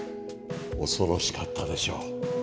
恐ろしかったでしょう。